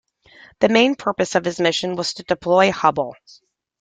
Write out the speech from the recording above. The main purpose of this mission was to deploy Hubble.